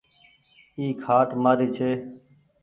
اي کآٽ مآري ڇي۔